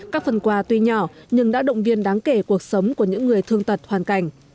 các phần quà tuy nhỏ nhưng đã động viên đáng kể cuộc sống của những người thương tật hoàn cảnh